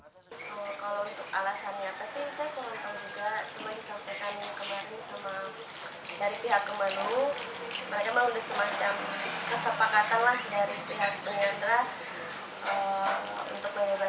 kalau untuk alasannya apa sih saya pengontrol juga